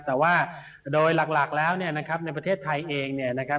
แต่ว่าโดยหลักแล้วเนี่ยนะครับในประเทศไทยเองเนี่ยนะครับ